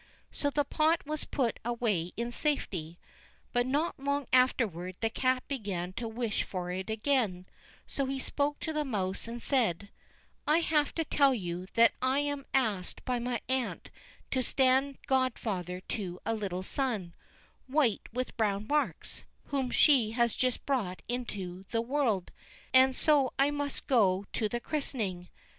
So the pot was put away in safety; but not long afterward the cat began to wish for it again, so he spoke to the mouse and said: "I have to tell you that I am asked by my aunt to stand godfather to a little son, white with brown marks, whom she has just brought into the world, and so I must go to the christening.